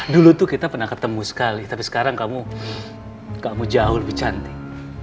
dulu tuh kita pernah ketemu sekali tapi sekarang kamu jauh lebih cantik